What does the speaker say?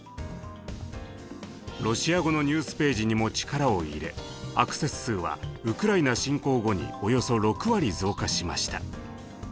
ロシア語のニュースページにも力を入れアクセス数はウクライナ侵攻後におよそ６割増加しました。